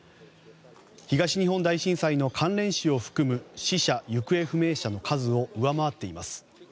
東日本大震災の関連死を含む死者・行方不明者の数を上回っています。